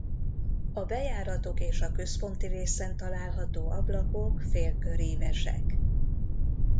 A bejáratok és a központi részen található ablakok félkörívesek.